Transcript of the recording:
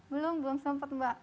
belum belum sempat mbak